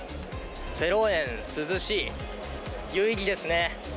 ０円、涼しい、有意義ですね。